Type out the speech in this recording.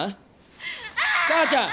母ちゃん？